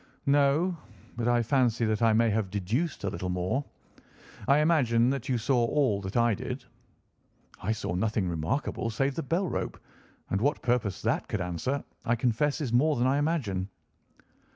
"No, but I fancy that I may have deduced a little more. I imagine that you saw all that I did." "I saw nothing remarkable save the bell rope, and what purpose that could answer I confess is more than I can imagine."